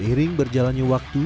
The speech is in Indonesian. seiring berjalannya waktu